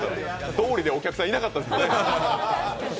どおりでお客さんいなかったですもんね。